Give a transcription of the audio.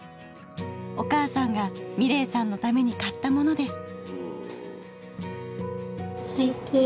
お母さんが美礼さんのために買ったものです。